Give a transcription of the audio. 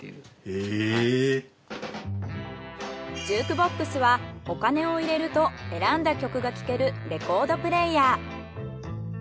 ジュークボックスはお金を入れると選んだ曲が聴けるレコードプレーヤー。